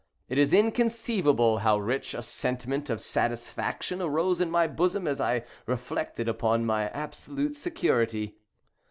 It is inconceivable how rich a sentiment of satisfaction arose in my bosom as I reflected upon my absolute security.